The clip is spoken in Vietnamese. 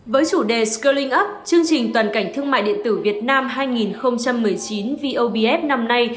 với chủ đề scurlling up chương trình toàn cảnh thương mại điện tử việt nam hai nghìn một mươi chín vobf năm nay